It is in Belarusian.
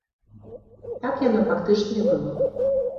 Так яно, фактычна, і было.